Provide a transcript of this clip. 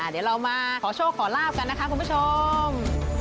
เดี๋ยวเรามาขอโชคขอลาบกันนะคะคุณผู้ชม